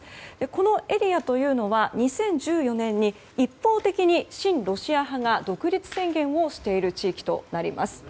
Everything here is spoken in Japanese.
このエリアというのは２０１４年に一方的に親ロシア派が独立宣言をしている地域となります。